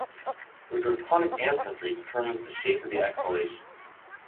Your draconic ancestry determines the shape of the exhalation.